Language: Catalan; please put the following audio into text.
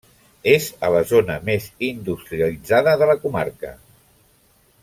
És a la zona més industrialitzada de la comarca.